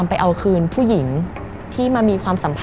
มันกลายเป็นรูปของคนที่กำลังขโมยคิ้วแล้วก็ร้องไห้อยู่